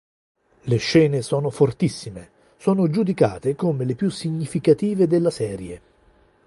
Le scene sono fortissime, sono giudicate come le più significative della serie.